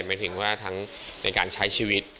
หมายถึงว่าทั้งในการใช้ชีวิต